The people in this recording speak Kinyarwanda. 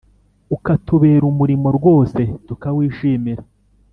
Ukatubera umurimo rwose tukawishimira